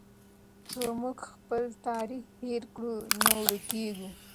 که موږ خپل تاریخ هېر کړو نو ورکېږو.